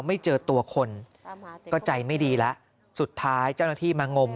ไม่เจอตัวคนก็ใจไม่ดีแล้วสุดท้ายเจ้าหน้าที่มางม